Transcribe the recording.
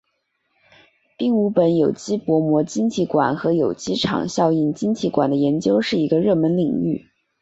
并五苯有机薄膜晶体管和有机场效应晶体管的研究是一个热门领域。